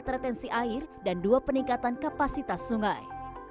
empat retensi air dan dua peningkatan kapasitas sungai